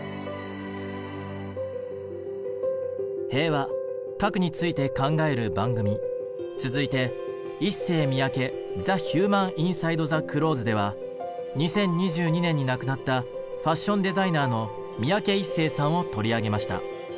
平和核について考える番組続いて「ＩＳＳＥＹＭＩＹＡＫＥＴｈｅＨｕｍａｎＩｎｓｉｄｅｔｈｅＣｌｏｔｈｅｓ」では２０２２年に亡くなったファッションデザイナーの三宅一生さんを取り上げました。